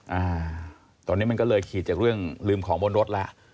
อ่าตอนนี้มันก็เลยขีดจากเรื่องลืมของบนรถแล้ว